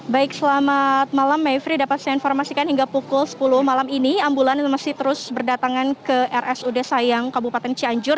baik selamat malam mevri dapat saya informasikan hingga pukul sepuluh malam ini ambulans masih terus berdatangan ke rsud sayang kabupaten cianjur